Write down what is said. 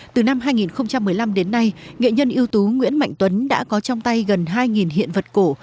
từ năm hai nghìn một mươi năm đến nay nghệ nhân yếu tố nguyễn mạnh tuấn đã có trong tay gần hai hiện vật cổ